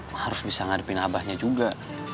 terus gue harus bisa ngadepin abahnya juga